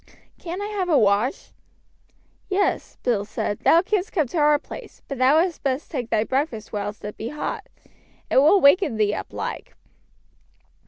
Can't I have a wash?" "Yes," Bill said, "thou canst come to our place; but thou had best take thy breakfast whilst it be hot. It will waken thee up like."